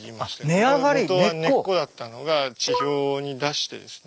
元は根っこだったのが地表に出してですね